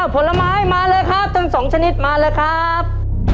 ผลไม้มาเลยครับทั้งสองชนิดมาเลยครับ